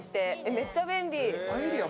めっちゃ便利。